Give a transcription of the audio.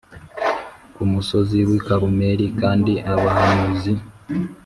Ku musozi w i karumeli kandi abahanuzi